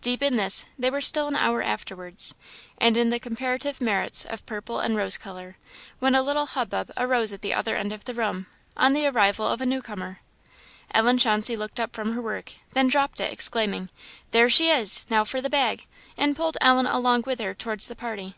Deep in this, they were still an hour afterwards, and in the comparative merits of purple and rose colour, when a little hubbub arose at the other end of the room, on the arrival of a new comer. Ellen Chauncey looked up from her work, then dropped it, exclaiming, "There she is! now for the bag!" and pulled Ellen along with her towards the party.